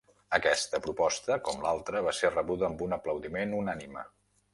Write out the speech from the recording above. Aquesta proposta, com l'altra, va ser rebuda amb un aplaudiment unànime.